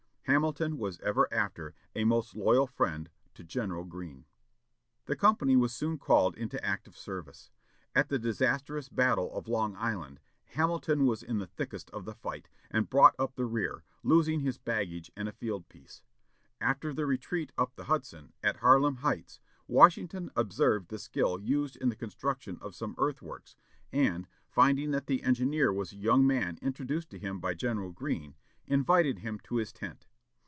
Hamilton was ever after a most loyal friend to General Greene. The company was soon called into active service. At the disastrous battle of Long Island, Hamilton was in the thickest of the fight, and brought up the rear, losing his baggage and a field piece. After the retreat up the Hudson, at Harlem Heights, Washington observed the skill used in the construction of some earthworks, and, finding that the engineer was the young man introduced to him by General Greene, invited him to his tent.